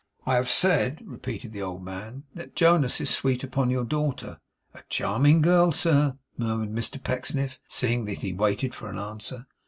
'I have said,' repeated the old man, 'that Jonas is sweet upon your daughter.' 'A charming girl, sir,' murmured Mr Pecksniff, seeing that he waited for an answer.